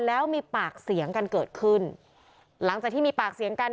แล้วมีปากเสียงกันเกิดขึ้นหลังจากที่มีปากเสียงกัน